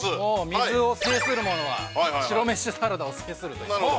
水を制する者は白飯サラダを制するということで。